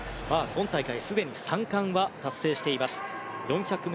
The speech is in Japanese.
今大会すでに３冠は達成しています。